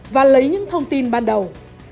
và lấy những thông tin ban đầu